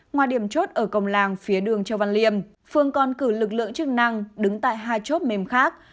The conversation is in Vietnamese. ngoài điểm chốt ở công làng phía đường châu văn liêm phường còn cử lực lượng chức năng đứng tại hai chốt mềm khác